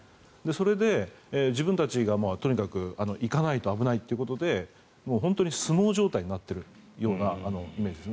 それで、自分たちがとにかく行かないと危ないということで本当に相撲状態になっているようなイメージです。